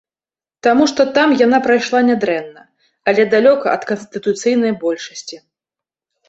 Таму што там яна прайшла нядрэнна, але далёка ад канстытуцыйнай большасці.